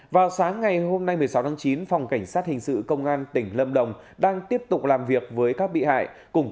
vào sáng ngày hôm nay một mươi sáu tháng chín phòng cảnh sát hình sự công an tỉnh lâm đồng đang tiếp tục làm việc với các bị hại